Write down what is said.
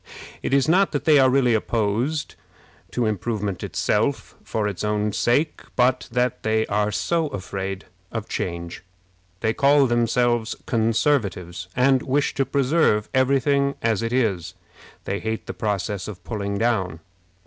It is not that they are really opposed to improvement itself for its own sake, but that they are so afraid of change. They call themselves Conservatives, and wish to preserve every thing as it is. They hate the process of pulling down.